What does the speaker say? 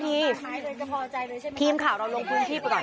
ทีมข่าวเราลงพื้นที่ไปก่อน